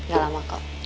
gak lama kok